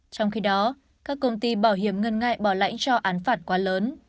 trong khi đó các công ty bảo hiểm ngân ngại bảo lãnh cho án phạt quá lớn